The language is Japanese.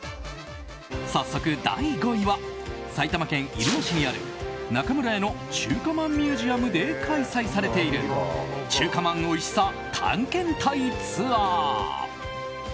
早速、第５位は埼玉県入間市にある中村屋の中華まんミュージアムで開催されている中華まんおいしさ探検隊ツアー。